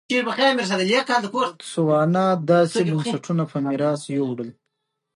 بوتسوانا داسې بنسټونه په میراث یووړل.